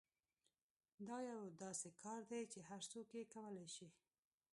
دا یو داسې کار دی چې هر څوک یې کولای شي